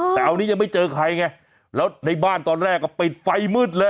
แต่อันนี้ยังไม่เจอใครไงแล้วในบ้านตอนแรกก็ปิดไฟมืดเลย